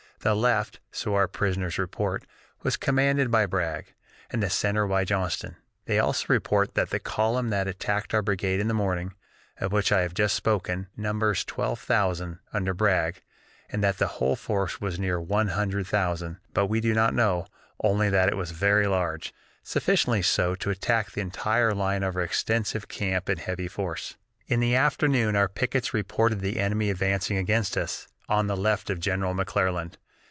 The left, so our prisoners report, was commanded by Bragg, and the center by Johnston. They also report that the column that attacked our brigade in the morning, of which I have just spoken, numbers twelve thousand, under Bragg, and that the whole force was near one hundred thousand; but we do not know, only that it was very large, sufficiently so to attack the entire line of our extensive camp in heavy force. "In the afternoon our pickets reported the enemy advancing against us, on the left of General McClernand.